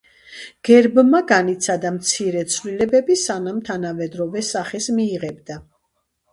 გერბმა განიცადა მცირე ცვლილებები სანამ თანამედროვე სახეს მიიღებდა.